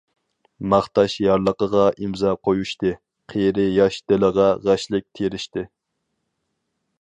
ماختاش يارلىقىغا ئىمزا قويۇشتى، قېرى-ياش دىلىغا غەشلىك تېرىشتى.